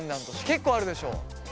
結構あるでしょ？